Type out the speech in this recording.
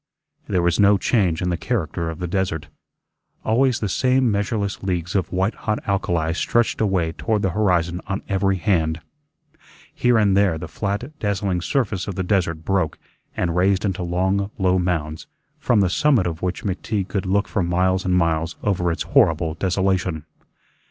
There was no change in the character of the desert. Always the same measureless leagues of white hot alkali stretched away toward the horizon on every hand. Here and there the flat, dazzling surface of the desert broke and raised into long low mounds, from the summit of which McTeague could look for miles and miles over its horrible desolation.